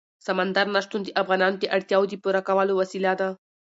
سمندر نه شتون د افغانانو د اړتیاوو د پوره کولو وسیله ده.